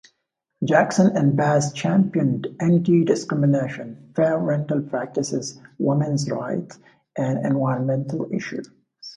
Jackson and Baize championed anti-discrimination, fair rental practices, women's rights, and environmental issues.